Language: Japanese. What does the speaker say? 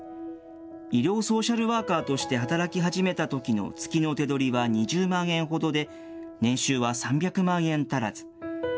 医療ソーシャルワーカーとして働き始めたときの月の手取りは２０万円ほどで、年収は３００万円足らず。